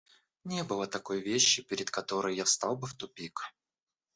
Не было такой вещи, перед которой я встал бы в тупик.